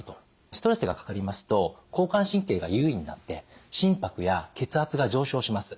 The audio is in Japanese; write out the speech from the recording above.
ストレスがかかりますと交感神経が優位になって心拍や血圧が上昇します。